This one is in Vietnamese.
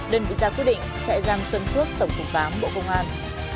đơn vị gia quyết định chạy giam xuân phước tổng phục ván bộ công an